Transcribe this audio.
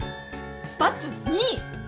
バツ２？